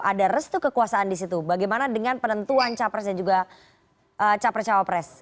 ada restu kekuasaan di situ bagaimana dengan penentuan capresnya juga capres capres